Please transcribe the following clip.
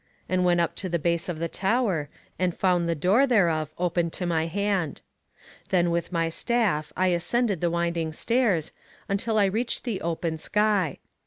and went up to the base of the tower, and found the door thereof open to my hand. Then with my staff I ascended the winding stairs, until I reached the open sky.